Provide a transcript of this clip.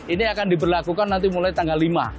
ini akan diberlakukan nanti mulai tanggal lima